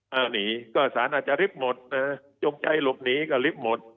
หนีก็สารอาจจะริบหมดจงใจหลบหนีก็ริบหมด